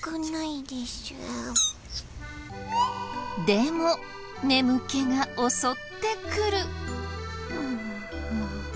でも眠気が襲ってくる。